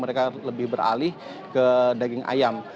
mereka lebih beralih ke daging ayam